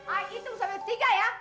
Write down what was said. ayah hitung sampai tiga ya